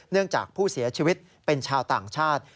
จากผู้เสียชีวิตเป็นชาวต่างชาติ